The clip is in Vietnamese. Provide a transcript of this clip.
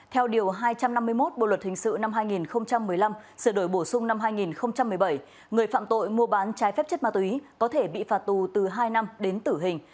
theo điều hai trăm năm mươi một bộ luật hình sự năm hai nghìn một mươi năm sửa đổi bổ sung năm hai nghìn một mươi bảy người phạm tội mua bán trái phép chất ma túy có thể bị phạt tù từ hai năm đến tử hình